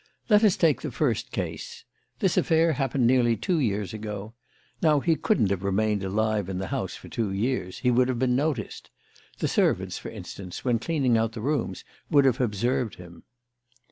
Let us take the first case. This affair happened nearly two years ago. Now, he couldn't have remained alive in the house for two years. He would have been noticed. The servants, for instance, when cleaning out the rooms, would have observed him."